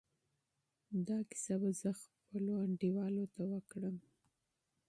دا کیسه به زه خپلو ملګرو ته کوم.